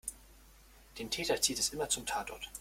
Den Täter zieht es immer zum Tatort.